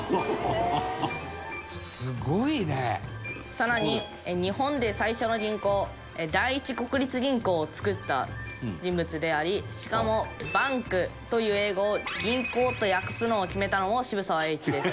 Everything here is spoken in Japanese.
更に日本で最初の銀行第一国立銀行を作った人物でありしかも「ＢＡＮＫ」という英語を「銀行」と訳すのを決めたのも渋沢栄一です。